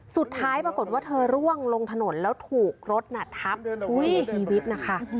สุดท้ายปรากฏว่าเธอร่วงลงถนนแล้วถูกรถทับวี่ชีวิตนะคะ